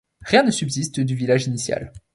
Rien ne subsiste du village initial.